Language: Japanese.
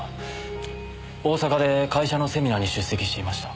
大阪で会社のセミナーに出席していました。